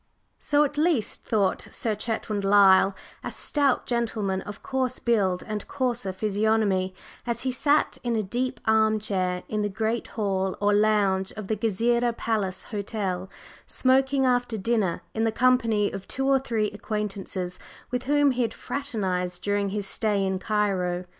So at least thought Sir Chetwynd Lyle, a stout gentleman of coarse build and coarser physiognomy, as he sat in a deep arm chair in the great hall or lounge of the Gezireh Palace Hotel, smoking after dinner in the company of two or three acquaintances with whom he had fraternized during his stay in Cairo.